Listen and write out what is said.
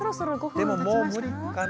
でももう無理かな？